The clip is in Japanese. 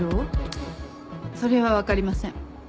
それは分かりません。